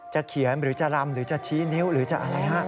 เขียนหรือจะรำหรือจะชี้นิ้วหรือจะอะไรฮะ